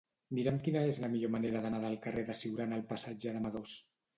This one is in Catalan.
Mira'm quina és la millor manera d'anar del carrer de Siurana al passatge de Madoz.